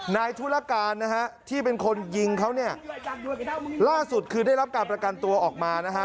ธุรการนะฮะที่เป็นคนยิงเขาเนี่ยล่าสุดคือได้รับการประกันตัวออกมานะฮะ